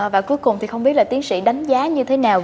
và cuối cùng thì không biết là tiến sĩ đánh giá như thế nào